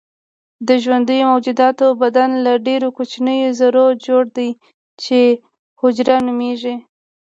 د ژوندیو موجوداتو بدن له ډیرو کوچنیو ذرو جوړ دی چې حجره نومیږي